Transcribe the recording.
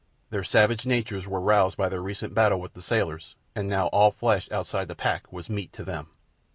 Their savage natures were roused by their recent battle with the sailors, and now all flesh outside the pack was meat to them.